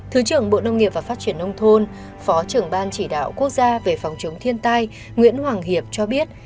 thứ trưởng bộ nông nghiệp và phát triển nông thôn phó trưởng ban chỉ đạo quốc gia về phòng chống thiên tai nguyễn hoàng hiệp cho biết